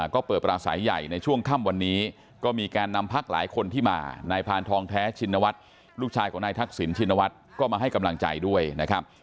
ก็เปิดปราศัยใหญ่ในช่วงค่ำวันนี้ก็มีการนำพักหลายคนที่มานายพานทองแท้ชินวัฒน์ลูกชายของนายทักษิณชินวัฒน์ก็มาให้กำลังใจด้วยนะครับ